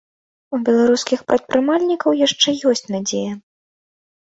У беларускіх прадпрымальнікаў яшчэ ёсць надзея.